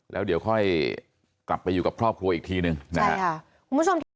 แล้วเดี๋ยวค่อยกลับไปอยู่กับครอบครัวอีกทีหนึ่งนะฮะ